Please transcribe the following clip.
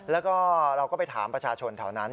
แล้วก็เราก็ไปถามประชาชนแถวนั้น